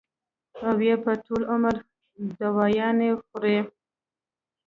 او يا به ټول عمر دوايانې خوري -